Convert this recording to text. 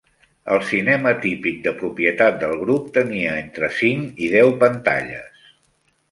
El cinema típic de propietat del grup tenia entre cinc i deu pantalles.